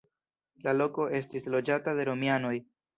La loko estis loĝata de romianoj.